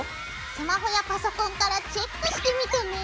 スマホやパソコンからチェックしてみてね。